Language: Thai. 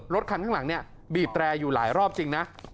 รถคันข้างหลังเนี่ยบีบแตรอยู่หลายรอบจริงนะ